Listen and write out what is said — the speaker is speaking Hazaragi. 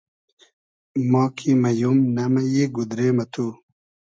ما کی مئیوم, نئمئیی گودرې مہ تو